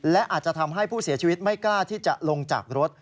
และอาจจะทำให้ผู้เสียชีวิตไม่กล้าที่จะลงจากรถ